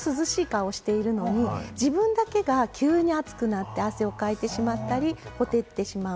どちらかというと周りの方はまったく涼しい顔をしているのに、自分だけが急に暑くなって汗をかいてしまったり、ほてってしまう。